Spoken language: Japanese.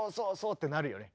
ってなるよね。